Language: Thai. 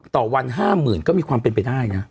ต่อวันห้าหมื่นก็มีความเป็นไปได้นะ